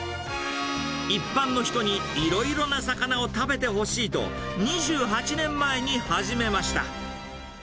一般の人にいろいろな魚を食べてほしいと、２８年前に始めました。